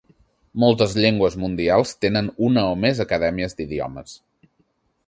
Moltes llengües mundials tenen una o més acadèmies d'idiomes.